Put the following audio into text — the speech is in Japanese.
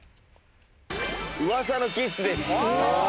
『うわさのキッス』です。